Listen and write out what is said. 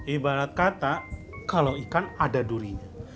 ibarat kata kalau ikan ada durinya